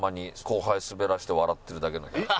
後輩スベらせて笑ってるだけのヤツとか。